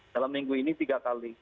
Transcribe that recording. dalam minggu ini tiga kali